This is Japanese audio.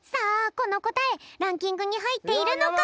このこたえランキングにはいっているのか？